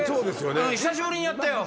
久しぶりにやったよ